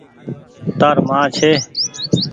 تآر مان ڇي ۔